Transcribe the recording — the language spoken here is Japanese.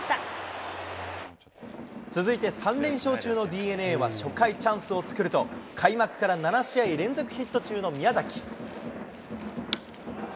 続いて３連勝中のＤｅＮＡは初回、チャンスを作ると、開幕から７試合連続ヒット中の宮崎。